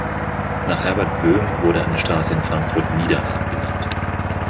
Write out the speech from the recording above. Nach Herbert Boehm wurde eine Straße in Frankfurt-Niederrad benannt.